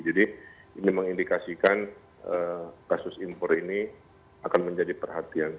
jadi ini mengindikasikan kasus impor ini akan menjadi perhatian